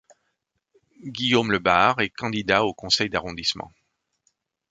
Guillaume Le Bars est candidat au conseil d'arrondissement.